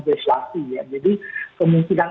deflasi ya jadi kemungkinan